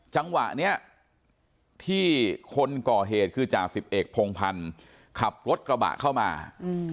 จังหวะเนี้ยที่คนก่อเหตุคือจ่าสิบเอกพงพันธ์ขับรถกระบะเข้ามาอืม